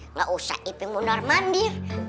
nggak usah iping mundur mandir